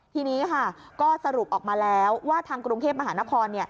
ทีนี้ค่ะก็สรุปออกมาแล้วว่าทางกรุงเทพมหานคร